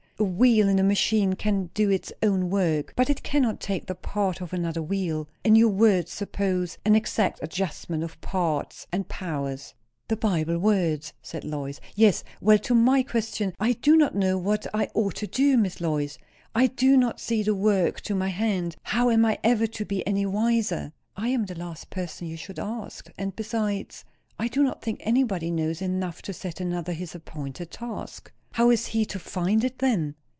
A wheel in a machine can do its own work, but it cannot take the part of another wheel. And your words suppose an exact adjustment of parts and powers." "The Bible words," said Lois. "Yes. Well, to my question. I do not know what I ought to do, Miss Lois. I do not see the work to my hand. How am I ever to be any wiser?" "I am the last person you should ask. And besides, I do not think anybody knows enough to set another his appointed task." "How is he to find it, then?"